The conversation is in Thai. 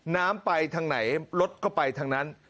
น้ำไปทางไหนรถก็ไปทางนั้น